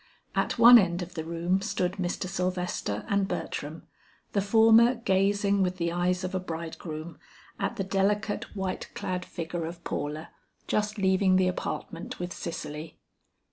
At one end of the room stood Mr. Sylvester and Bertram, the former gazing with the eyes of a bridegroom, at the delicate white clad figure of Paula, just leaving the apartment with Cicely.